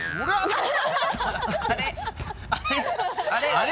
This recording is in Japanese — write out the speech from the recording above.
あれ？